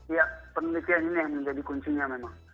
ya penelitian ini yang menjadi kuncinya memang